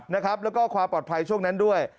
แล้วก็ความปลอดภัยช่วงนั้นด้วย